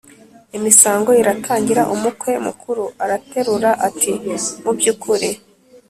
imisango iratangira. Umukwe mukuru araterura ati: “Mu by’ukuri